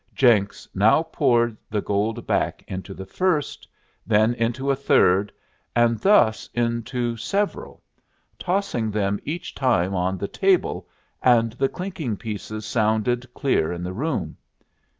Jenks now poured the gold back into the first, then into a third, and thus into several, tossing them each time on the table, and the clinking pieces sounded clear in the room.